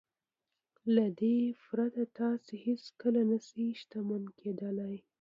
له دې پرته تاسې هېڅکله نه شئ شتمن کېدلای.